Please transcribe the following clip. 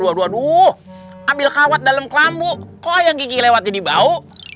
aduh ambil kawat dalam kelambu kok yang kike lewatin dibau